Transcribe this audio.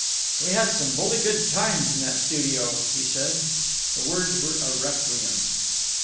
"We had some bully good times in that studio," he said. The words were a requiem.